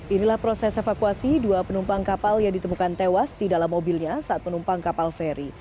inilah proses evakuasi dua penumpang kapal yang ditemukan tewas di dalam mobilnya saat penumpang kapal feri